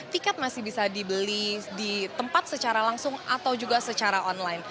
tiket masih bisa dibeli di tempat secara langsung atau juga secara online